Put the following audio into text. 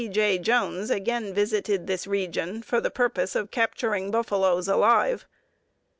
J. Jones again visited this region for the purpose of capturing buffaloes alive.